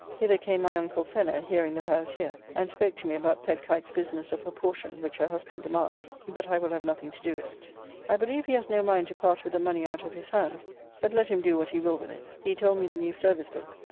Hither came my uncle Fenner, hearing that I was here, and spoke to me about Pegg Kite's business of her portion, which her husband demands, but I will have nothing to do with it. I believe he has no mind to part with the money out of his hands, but let him do what he will with it. He told me the new service book [The Common Prayer Book of 1662, now in use.